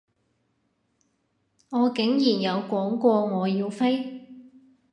我竟然有講過我要飛？